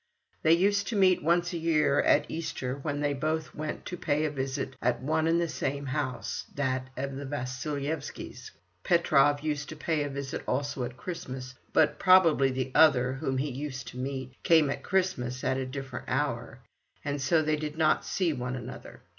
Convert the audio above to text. They used to meet once a year, at Easter, when they both went to pay a visit at one and the same house, that of the Vasilyevskys. Petrov used to pay a visit also at Christmas, but probably the other, whom he used to meet, came at Christmas at a different hour, and so they did not see one another.